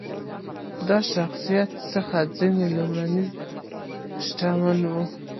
دې اشخاصو څخه ځینې لومړيو شتمن وو.